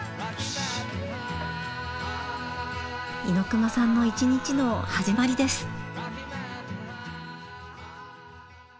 猪熊さんの一日の始まりです。